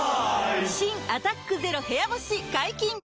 新「アタックＺＥＲＯ部屋干し」解禁‼